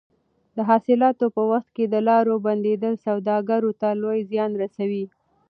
د حاصلاتو په وخت کې د لارو بندېدل سوداګرو ته لوی زیان رسوي.